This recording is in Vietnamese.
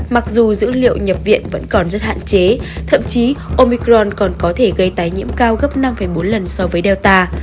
mặc dù dữ liệu nhập viện vẫn còn rất hạn chế thậm chí omicron còn có thể gây tái nhiễm cao gấp năm bốn lần so với delta